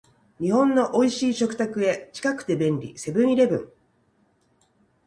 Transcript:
日本の美味しい食卓へ、近くて便利、セブンイレブン